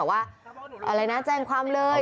ว่าอะไรนะแจ้งความเลย